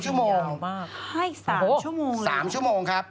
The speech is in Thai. ให้๓ชั่วโมงเลยโอ้โฮ๓ชั่วโมงครับ